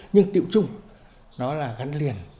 nó là gắn liền